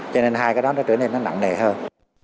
cho nên hai cái đó đã trở nên nó nặng nề hơn